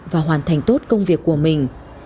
và hoàn thành tốt công việc của mình